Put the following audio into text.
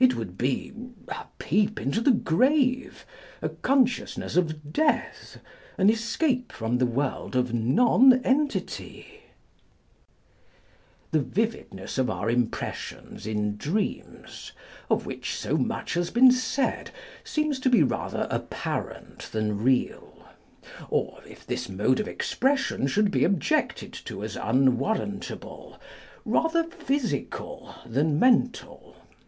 It would be a peep into the grave, a consciousness of death, an escape from the world of nonentity ! The vividness of our impressions in dreams, of which bo much has been said, seems to be rather apparent than real ; or, if this mode of expression should be objected to as unwarrantable, rather physical than mental.